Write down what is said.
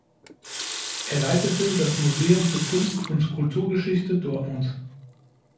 Er leitete das Museum für Kunst und Kulturgeschichte Dortmund.